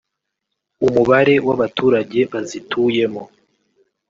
umubare w’abaturage bazituyemo